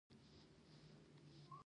زه د یوټیوب چینل جوړوم.